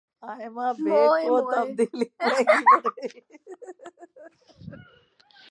ئمہ بیگ کو تبدیلی مہنگی پڑ گئی